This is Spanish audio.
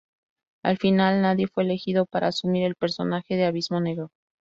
Al final nadie fue elegido para asumir el personaje de Abismo Negro.